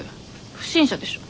不審者でしょ。